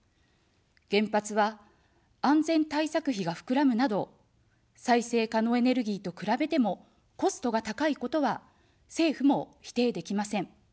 原発は安全対策費がふくらむなど、再生可能エネルギーと比べてもコストが高いことは政府も否定できません。